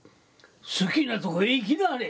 好きなとこへ行きなはれ！」。